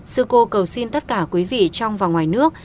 sư cô cầu xin tất cả quý vị trong và ngoài nước